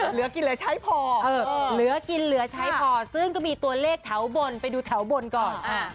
เหลือกินเหลือใช้พอเหลือกินเหลือใช้พอซึ่งก็มีตัวเลขแถวบนไปดูแถวบนก่อน